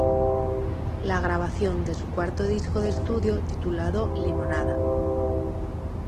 La grabación de su cuarto disco de estudio titulado "Limonada".